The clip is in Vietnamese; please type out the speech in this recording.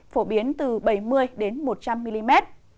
phổ biến từ bảy mươi một trăm linh mm